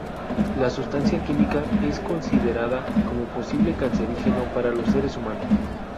La sustancia química es considerada como posible cancerígeno para los seres humanos.